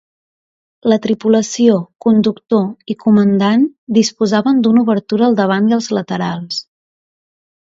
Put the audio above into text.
La tripulació, conductor i comandant, disposaven d'una obertura al davant i als laterals.